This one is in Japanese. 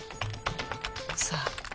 さあ。